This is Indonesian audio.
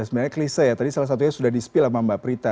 sebenarnya klise ya tadi salah satunya sudah di spill sama mbak prita